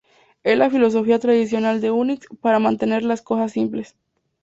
Es la filosofía tradicional de Unix para mantener las cosas simples.